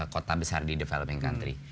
kota besar di development country